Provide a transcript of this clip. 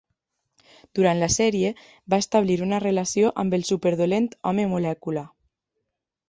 Durant la sèrie, va establir una relació amb el superdolent Home Molècula.